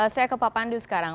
saya ke pak pandu sekarang